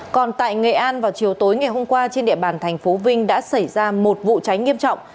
còn tại nghệ an vào chiều tối ngày hôm qua trên địa bàn thành phố vinh đã xảy ra một vụ cháy nghiêm trọng